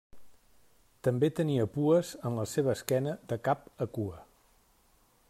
També tenia pues en la seva esquena de cap a cua.